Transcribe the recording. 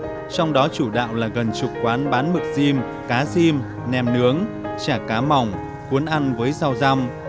trong đó chủ đạo là gần chục quán bán mực diêm cá sim nem nướng chả cá mỏng cuốn ăn với rau răm